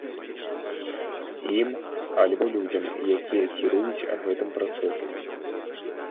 Ім альбо людзям, якія кіруюць гэтым працэсам.